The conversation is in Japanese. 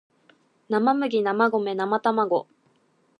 生麦生米生たまご